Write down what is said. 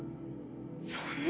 そんな。